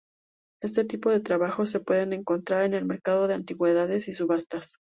Este tipo de trabajos se pueden encontrar en el mercado de antigüedades y subastas.